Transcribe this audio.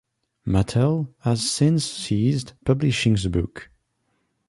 Mattel has since ceased publishing the book.